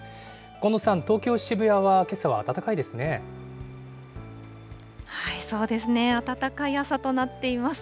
近藤さん、東京・渋谷は、けさはそうですね、暖かい朝となっています。